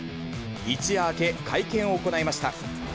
一夜明け、会見を行いました。